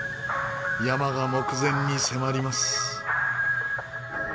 山が目前に迫ります。